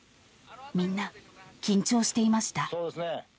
［みんな緊張していました］